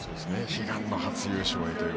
悲願の初優勝へ。